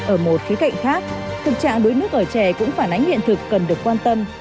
ở một khía cạnh khác thực trạng đuối nước ở trẻ cũng phản ánh hiện thực cần được quan tâm